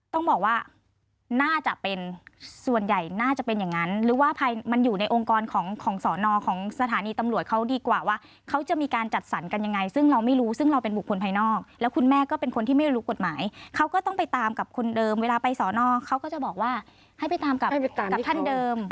ต้องบอกว่าน่าจะเป็นส่วนใหญ่น่าจะเป็นอย่างนั้นหรือว่ามันอยู่ในองค์กรของสอนอของสถานีตำรวจเขาดีกว่าว่าเขาจะมีการจัดสรรกันยังไงซึ่งเราไม่รู้ซึ่งเราเป็นบุคคลภายนอกแล้วคุณแม่ก็เป็นคนที่ไม่รู้กฎหมายเขาก็ต้องไปตามกับคนเดิมเวลาไปสอนอเขาก็จะบอกว่าให้ไปตามกับท่านเดิม